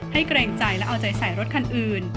เกรงใจและเอาใจใส่รถคันอื่น